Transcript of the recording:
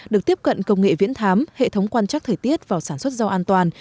được tiếp cận công nghệ viễn thám hệ thống quan trắc thời tiết vào sản xuất rau an toàn